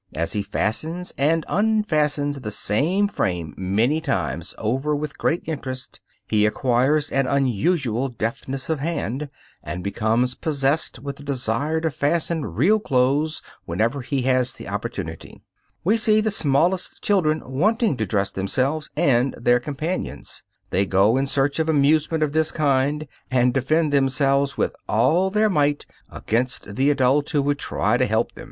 4.) As he fastens and unfastens the same frame many times over with great interest, he acquires an unusual deftness of hand, and becomes possessed with the desire to fasten real clothes whenever he has the opportunity. We see the smallest children wanting to dress themselves and their companions. They go in search of amusement of this kind, and defend themselves with all their might against the adult who would try to help them.